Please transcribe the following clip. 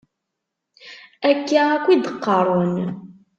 Akka akk i d-qqaren.